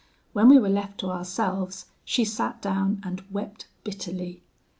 When we were left to ourselves, she sat down and wept bitterly.